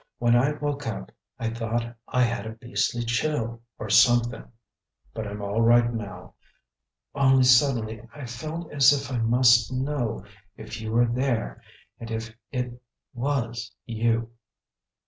When I woke up I thought I had a beastly chill or something; but I'm all right now; only suddenly I felt as if I must know if you were there, and if it was you."